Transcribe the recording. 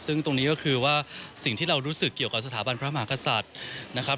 ซึ่งตรงนี้ก็คือว่าสิ่งที่เรารู้สึกเกี่ยวกับสถาบันพระมหากษัตริย์นะครับ